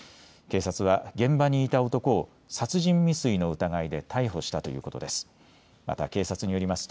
警察は現場にいた男を殺人未遂の疑いで逮捕したということです。